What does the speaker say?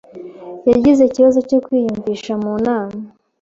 Yagize ikibazo cyo kwiyumvisha mu nama.